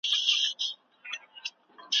استاد شاګرد ته پوره خپلواکي ورکړه.